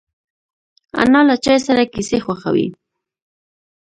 انا له چای سره کیسې خوښوي